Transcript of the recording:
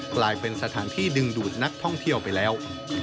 กลายเป็นสถานที่ดึงดูดนักท่องเที่ยวไปแล้ว